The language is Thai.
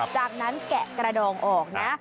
จากนั้นแกะกระดองออกนะ